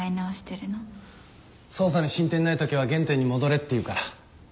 捜査に進展ないときは原点に戻れっていうから。